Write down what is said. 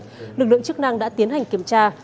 lực lượng chức năng đã tiến hành kiểm tra